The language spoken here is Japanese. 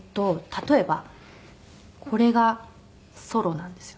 例えばこれがソロなんですよ。